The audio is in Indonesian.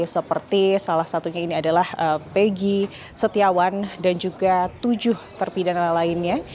seperti salah satunya ini adalah peggy setiawan dan juga tujuh terpidana lainnya